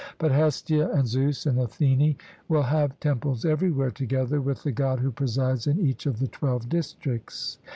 But Hestia, and Zeus, and Athene will have temples everywhere together with the God who presides in each of the twelve districts.